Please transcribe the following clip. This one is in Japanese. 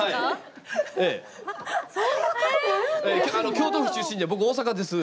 「京都府出身」って僕大阪です。